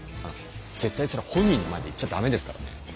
絶対それ本人の前で言っちゃダメですからね。